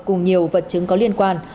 cùng nhiều vật chứng có liên quan